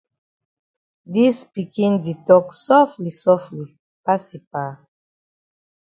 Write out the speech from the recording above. Dis pikin di tok sofli sofli pass yi pa.